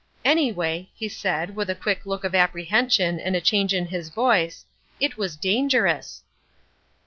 Anyway," he said, with a quick look of apprehension and a change in his voice, "it was dangerous!"